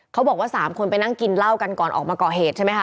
เขาบอกว่า๓คนไปนั่งกินเหล้ากันก่อนออกมาก่อเหตุใช่ไหมคะ